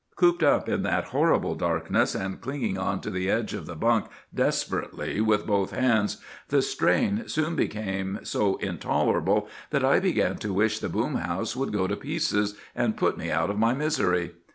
"Cooped up in that horrible darkness, and clinging on to the edge of the bunk desperately with both hands, the strain soon became so intolerable that I began to wish the boom house would go to pieces, and put me out of my misery.